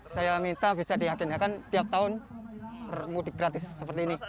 saya minta bisa diyakinkan tiap tahun mudik gratis seperti ini